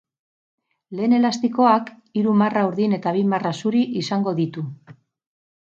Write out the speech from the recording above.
Lehen elastikoak hiru marra urdin eta bi marra zuri izango ditu.